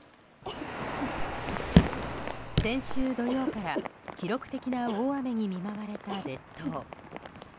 先週土曜から記録的な大雨に見舞われた列島。